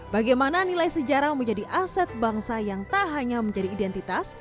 bagaimana nilai sejarah menjadi aset bangsa yang tak hanya menjadi identitas